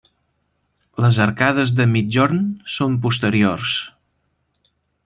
Les arcades de migjorn són posteriors.